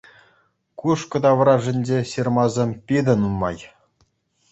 Кушкӑ таврашӗнче ҫырмасем питӗ нумай.